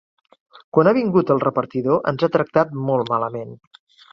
Quan ha vingut el repartidor ens ha tractat molt malament.